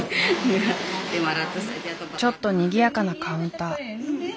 ちょっとにぎやかなカウンター。